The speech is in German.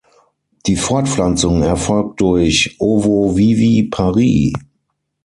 Die Fortpflanzung erfolgt durch Ovoviviparie.